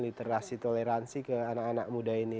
literasi toleransi ke anak anak muda ini